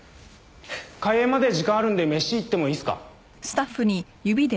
開演まで時間あるんで飯行ってもいいっすか？